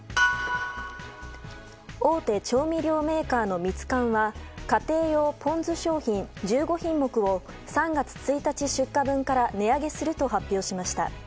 大手調味料メーカーのミツカンは家庭用ポン酢商品１５品目を３月１日出荷分から値上げすると発表しました。